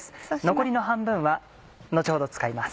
残りの半分は後ほど使います。